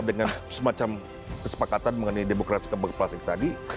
dengan semacam kesepakatan mengenai demokrasi kemaplastik tadi